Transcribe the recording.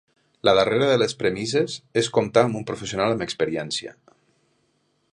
La darrera de les premisses és comptar amb un professional amb experiència.